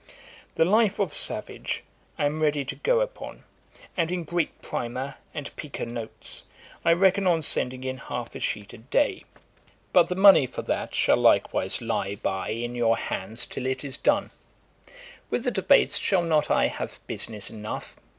'The Life of Savage I am ready to go upon; and in Great Primer, and Pica notes, I reckon on sending in half a sheet a day; but the money for that shall likewise lye by in your hands till it is done. With the debates, shall not I have business enough?